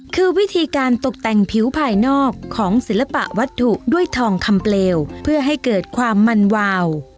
คือวิธีการตกแต่งผิวภายนอกของศิลปะวัตถุด้วยทองคำเปลวเพื่อให้เกิดความมันวาว